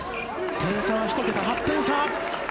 点差は１桁、８点差。